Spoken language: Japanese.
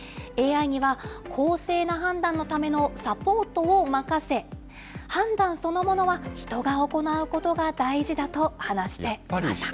ＡＩには公正な判断のためのサポートを任せ、判断そのものは人が行うことが大事だと話していました。